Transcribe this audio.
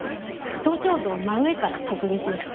頭頂部を真上から直撃でした。